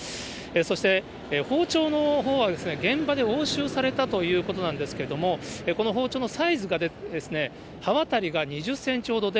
そして、包丁のほうは、現場で押収されたということなんですけれども、この包丁のサイズがですね、刃渡りが２０センチほどで、